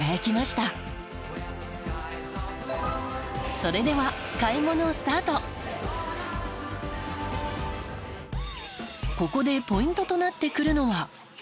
それではここでポイントとなってくるのは。